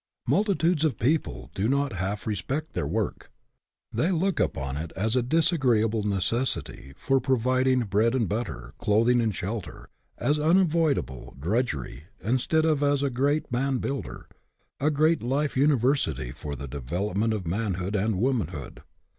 Multitudes of people do not half respect their work. They look upon it as a disagree able necessity for providing bread and butter, clothing and shelter as unavoidable drudg ery, instead of as a great man builder, a great life university for the development of manhood and womanhood.